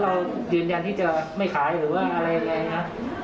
เรายืนยันที่จะไม่ขายหรือว่าอะไรยังไงนะ